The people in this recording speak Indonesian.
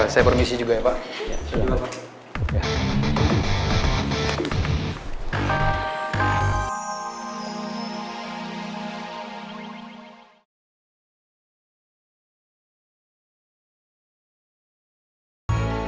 saya permisi juga ya pak